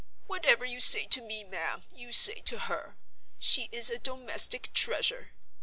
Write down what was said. "Whatever you say to me, ma'am, you say to her. She is a domestic treasure.